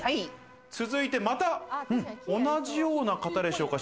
続いて、また同じような型でしょうか？